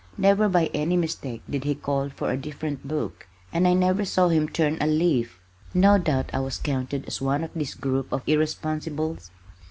Never by any mistake did he call for a different book, and I never saw him turn a leaf. No doubt I was counted as one of this group of irresponsibles.